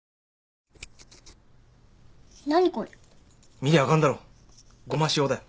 見りゃ分かんだろごま塩だよ。